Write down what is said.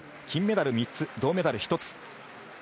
金メダル３つ、銅メダル１つ。